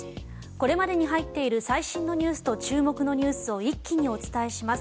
これまでに入っている最新ニュースと注目ニュースを一気にお伝えします。